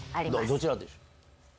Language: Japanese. どちらでしょう？